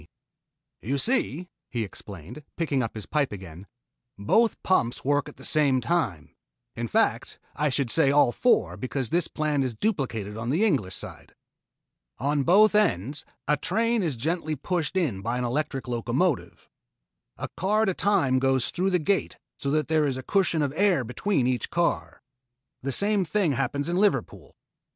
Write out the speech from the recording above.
[Illustration: PLAN OF UNDER SEA TUBE ] "You see," he explained, picking up his pipe again, "both pumps work at one time in fact, I should say all four, because this plan is duplicated on the English side. On both ends then, a train is gently pushed in by an electric locomotive. A car at a time goes through the gate so that there is a cushion of air between each car. The same thing happens at Liverpool.